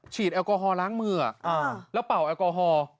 แอลกอฮอลล้างมือแล้วเป่าแอลกอฮอล์